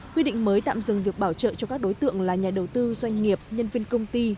quy định mới tạm dừng việc bảo trợ cho các đối tượng là nhà đầu tư doanh nghiệp nhân viên công ty